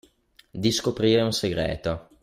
Di scoprire un segreto.